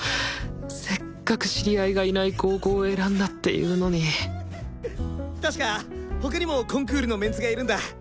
せっかく知り合いがいない高校を選んだっていうのにたしか他にもコンクールのメンツがいるんだ。